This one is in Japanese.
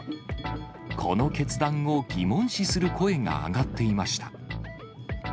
この決断を疑問視する声が上がっていました。